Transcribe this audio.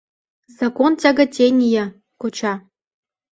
«Закон тяготения» куча.